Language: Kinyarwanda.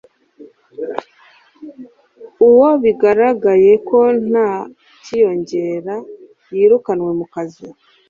uwo bigaragaye ko nta kiyongera yirukanwe mu kazi